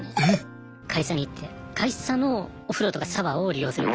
会社に行って会社のお風呂とかシャワーを利用する。